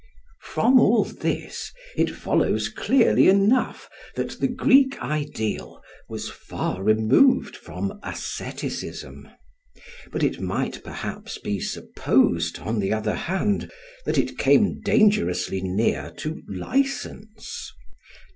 From all this it follows clearly enough that the Greek ideal was far removed from asceticism; but it might perhaps be supposed, on the other hand, that it came dangerously near to license.